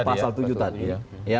pasal tujuh tadi ya